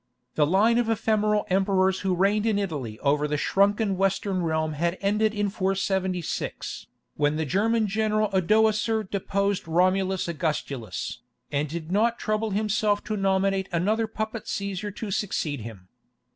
The line of ephemeral emperors who reigned in Italy over the shrunken Western realm had ended in 476, when the German general Odoacer deposed Romulus Augustulus, and did not trouble himself to nominate another puppet Cæsar to succeed him.